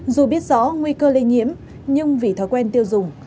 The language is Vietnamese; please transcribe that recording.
dù biết rõ nguy cơ lây nhiễm nhưng vì thói quen tiêu dùng